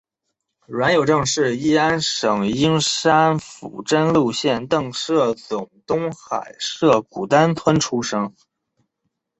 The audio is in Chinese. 阮有政是乂安省英山府真禄县邓舍总东海社古丹村出生。